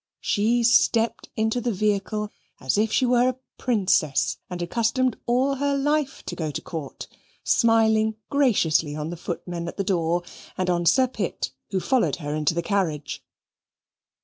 She stepped into the vehicle as if she were a princess and accustomed all her life to go to Court, smiling graciously on the footman at the door and on Sir Pitt, who followed her into the carriage.